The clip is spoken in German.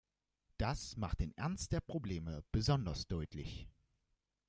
Das macht den Ernst der Probleme besonders deutlich.